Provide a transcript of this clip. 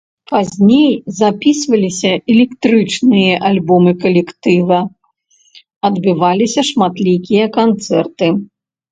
Пазней запісваліся электрычныя альбомы калектыва, адбываліся шматлікія канцэрты.